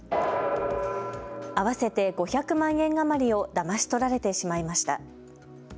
合わせて５００万円余りをだまし取られてしまいました。